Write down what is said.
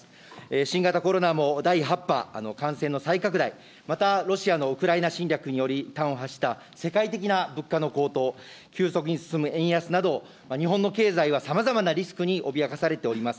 新型コロナも第８波、感染の再拡大、また、ロシアのウクライナ侵略により端を発した世界的な物価の高騰、急速に進む円安など、日本の経済はさまざまなリスクに脅かされています。